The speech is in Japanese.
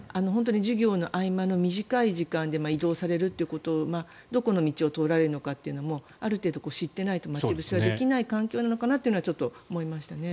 授業の合間の短い時間で移動されるということどこの道を通られるかもある程度、知っていないと待ち伏せはできない環境なのかなとは思いましたね。